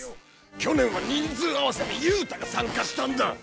去年は人数合わせで憂太が参加したんだ。